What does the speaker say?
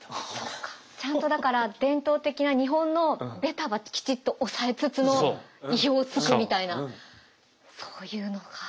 ちゃんとだから伝統的な日本のベタはきちっと押さえつつの意表をつくみたいなそういうのか。